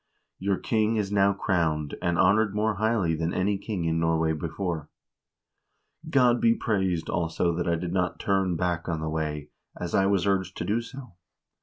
Your king is now crowned, and honored more highly than any king in Norway before. God be praised, also, that I did not turn back on the way, as I was urged to do.